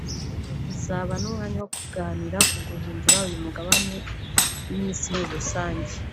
izaba n’umwanya wo kuganira ku guhindura uyu mugabane n’Isi muri rusange